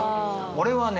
俺はね